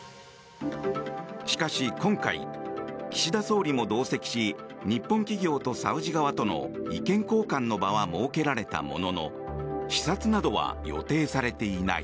しかし今回、岸田総理も同席し日本企業とサウジ側との意見交換の場は設けられたものの視察などは予定されていない。